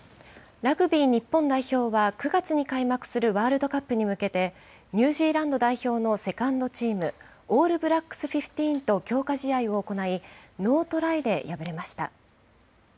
ラグビー日本代表は９月に開幕するワールドカップに向けて、ニュージーランド代表のセカンドチームＡｌｌＢｌａｃｋｓＸＶと強化試合を行い、ノートライで敗れました。